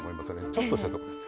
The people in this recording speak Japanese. ちょっとしたとこです。